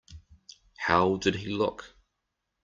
How did he look?